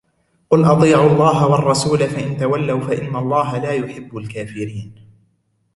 قل أطيعوا الله والرسول فإن تولوا فإن الله لا يحب الكافرين